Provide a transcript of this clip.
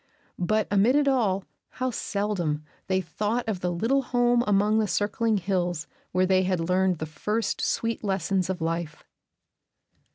But amid it all, how seldom they thought of the little home among the circling hills where they had learned the first sweet lessons of life!